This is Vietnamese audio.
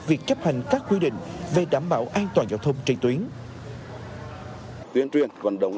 việc chấp hành các quy định về đảm bảo an toàn giao thông trên tuyến